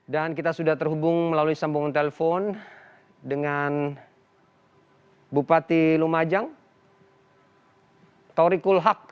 dan kita sudah terhubung melalui sambungan telepon dengan bupati lumajang taurikul hak